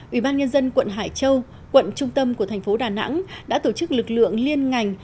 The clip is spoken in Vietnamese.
ubnd quận hải châu quận trung tâm của thành phố đà nẵng đã tổ chức lực lượng liên ngành